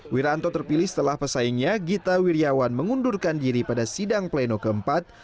wiranto terpilih setelah pesaingnya gita wirjawan mengundurkan diri pada sidang pleno keempat